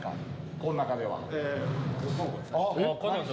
この中では。